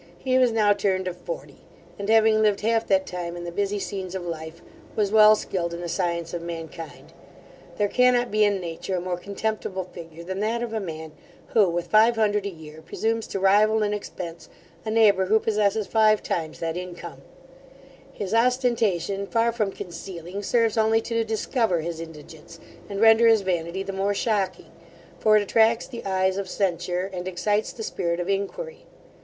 He was now turned of forty, and, having lived half that time in the busy scenes of life, was well skilled in the science of mankind. There cannot be in nature a more contemptible figure than that of a man, who, with five hundred a year, presumes to rival in expence a neighbour who possesses five times that income His ostentation, far from concealing, serves only to discover his indigence, and render his vanity the more shocking; for it attracts the eyes of censure, and excites the spirit of inquiry.